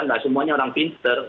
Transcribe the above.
nggak semuanya orang pinter